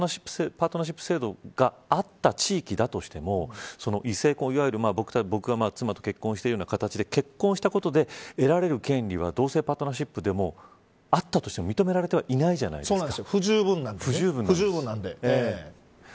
橋下さんのおっしゃるとおりでただパートナーシップ制度があった地域だとしても異性婚、いわゆる僕が妻と結婚しているような形で結婚したことで得られる権利は同性パートナーシップであったとしても認められてはいないじゃないですか。